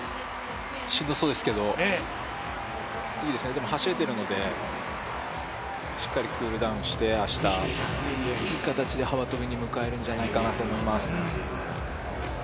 しんどそうですけど、いいですね、でも走れてるのでしっかりクールダウンして、明日いい形で幅跳びに向かえるんじゃないかと思います。